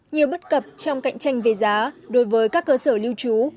nhiều bất cập trong cạnh tranh về giá đối với các cơ sở lưu trú